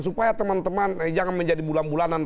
supaya teman teman jangan menjadi bulan bulanan